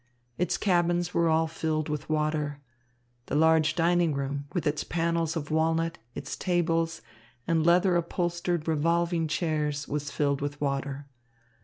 Its cabins were all filled with water. The large dining room, with its panels of walnut, its tables, and leather upholstered revolving chairs, was filled with water.